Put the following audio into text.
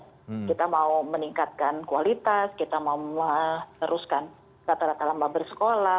sebelumnya kan juga cukup berat kita mau meningkatkan kualitas kita mau teruskan kata kata lambang bersekolah